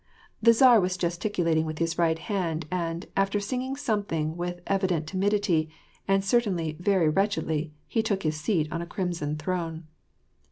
The tsar was gesticulating with his right hand, and, after singing something with evident timidity, and certainly very wretchedly, he took his seat on a crimson throne.